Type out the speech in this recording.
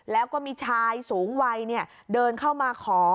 แล้วก็มีชายสูงวัยเดินเข้ามาขอ